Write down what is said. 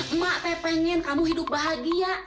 emak saya pengen kamu hidup bahagia